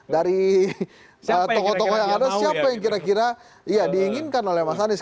dari tokoh tokoh yang ada siapa yang kira kira diinginkan oleh mas anies